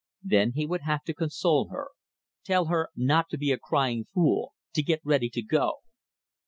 Then he would have to console her; tell her not to be a crying fool; to get ready to go.